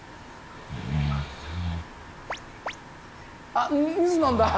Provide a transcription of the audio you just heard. あっ水飲んだ！